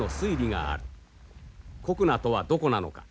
谷那とはどこなのか。